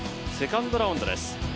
セカンドラウンドです